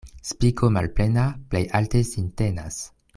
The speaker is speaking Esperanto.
Spiko malplena plej alte sin tenas.